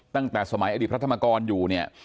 ตั้งแต่สมัยอดีตพระธรรมกรอยู่เนี่ย